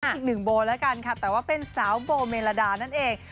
อีกหนึ่งโบแล้วกันค่ะแต่ว่าเป็นสาวโบเมลดานั่นเอง